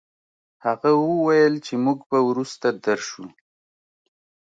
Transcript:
هغه وويل چې موږ به وروسته درشو.